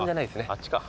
あっちか。